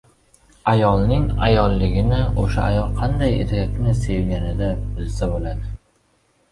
Ayolning ayolligini o‘sha ayol qanday erkakni sevganida bilsa bo‘ladi.